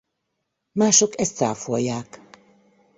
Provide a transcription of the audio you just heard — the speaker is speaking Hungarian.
Mások ezt cáfolják.